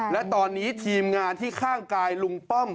และตอนนี้ทีมงานที่ข้างกายลุงป้อม